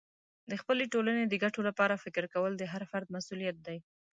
د خپلې ټولنې د ګټو لپاره فکر کول د هر فرد مسئولیت دی.